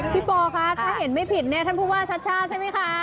ปอคะถ้าเห็นไม่ผิดเนี่ยท่านผู้ว่าชัดชาติใช่ไหมคะ